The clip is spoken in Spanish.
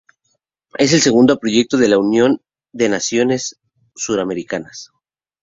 Es el segundo proyecto de la Unión de Naciones Suramericanas.